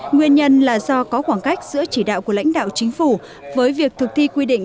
nguyên nhân là do có khoảng cách giữa chỉ đạo của lãnh đạo chính phủ với việc thực thi quy định